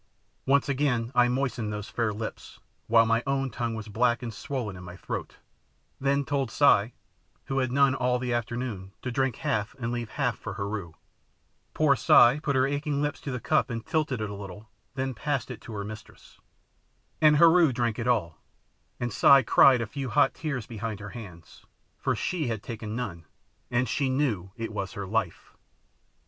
Once again I moistened those fair lips, while my own tongue was black and swollen in my throat, then told Si, who had had none all the afternoon, to drink half and leave half for Heru. Poor Si put her aching lips to the cup and tilted it a little, then passed it to her mistress. And Heru drank it all, and Si cried a few hot tears behind her hands, FOR SHE HAD TAKEN NONE, and she knew it was her life!